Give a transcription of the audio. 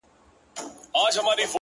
• ورته ښېراوي هر ماښام كومه؛